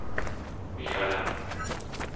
Michaľany